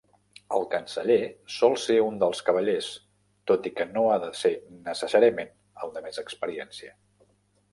El canceller sol ser un dels cavallers, tot i que no ha de ser necessàriament el de més experiència.